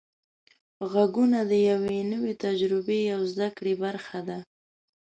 غږونه د یوې نوې تجربې او زده کړې برخه ده.